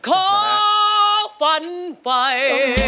ขอฝันไฟ